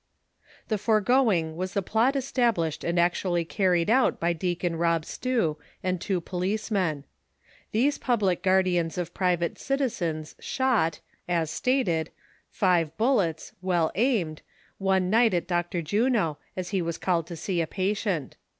Tlie foregoing was the plot established and actually car ried out by Deacon Rob Stew and two policemen. These public guardians of private citizens shot— as stated— five bullets, well aimed, one night at Dr. Juno, as he was called to see a patient.